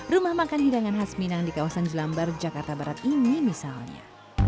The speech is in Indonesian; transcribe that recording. rumah makan hidangan khas minang di kawasan jelambar jakarta barat ini misalnya